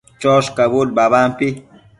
choshcabud babampi